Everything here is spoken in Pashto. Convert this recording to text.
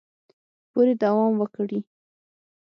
پورې دوام وکړي